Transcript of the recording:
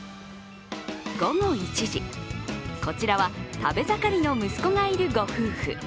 午後１時、こちらは食べ盛りの息子がいるご夫婦。